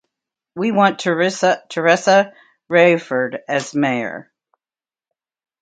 We want Teressa Raiford as mayor.